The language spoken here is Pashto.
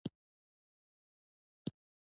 منی د افغان ماشومانو د زده کړې موضوع ده.